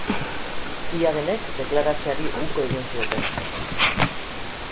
Ia denek deklaratzeari uko egin zioten.